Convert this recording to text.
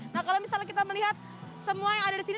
nah kalau misalnya kita melihat semua yang ada disini